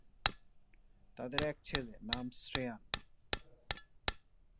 তাদের এক ছেলে, নাম শ্রেয়ান।